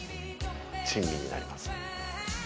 珍味になります。